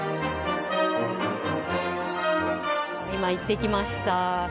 今、行ってきました。